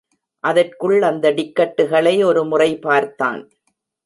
அதற்குள் அந்த டிக்கட்டுகளை ஒரு முறை பார்த்தான்.